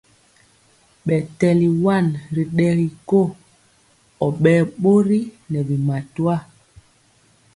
Ɓɛ tɛli wan ri ɗɛgi ko, ɔ ɓɛɛ ɓori nɛ bi matwa.